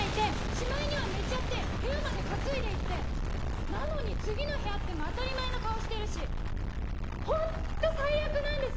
・しまいには寝ちゃって部屋まで担いで行ってなのに次の日会っても当たり前の顔してるし・・ホント最悪なんです！